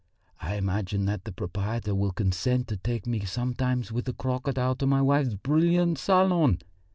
I imagine that the proprietor will consent to take me sometimes with the crocodile to my wife's brilliant salon.